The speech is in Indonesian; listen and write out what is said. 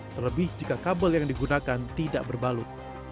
terlebih jika kabel yang digunakan tidak berbalut